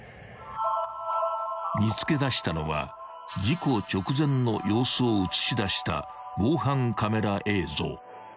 ［見つけだしたのは事故直前の様子を写し出した防犯カメラ映像］